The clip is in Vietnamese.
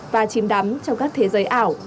và chìm đắm trong các thế giới ảo